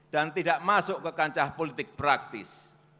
tidak masuk ke kancah politik praktis